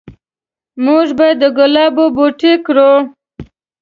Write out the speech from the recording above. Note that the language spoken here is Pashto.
موږ به د ګلابو بوټي کرو